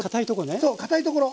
そうかたいところ。